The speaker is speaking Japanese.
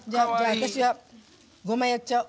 私は、ごまやっちゃお。